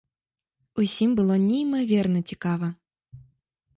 Усім было неймаверна цікава.